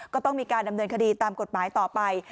ก็ต้องมีการดำเนินคดีตามกฎหมายต่อไป